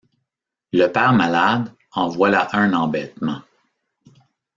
Le père malade, en voilà un embêtement!